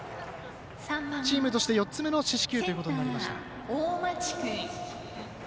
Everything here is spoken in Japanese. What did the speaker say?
チームとして４つ目の四死球ということになりました。